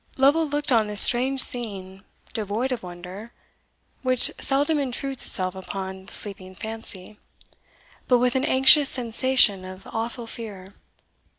Lovel looked on this strange scene devoid of wonder (which seldom intrudes itself upon the sleeping fancy), but with an anxious sensation of awful fear.